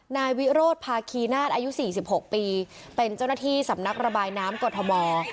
นายวิโรศพาคีนาศอายุสี่สิบหกปีเป็นเจ้าหน้าที่สำนักระบายน้ำกฎธมอล